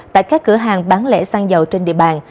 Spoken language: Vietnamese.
tại các cửa hàng bán lẻ xăng dầu trên địa bàn